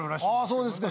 そうですか？